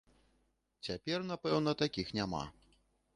Цяпер, напэўна, такіх няма.